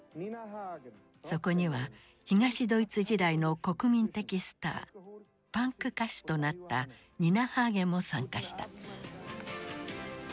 そこには東ドイツ時代の国民的スターパンク歌手となったニナ・ハーゲンも参加した。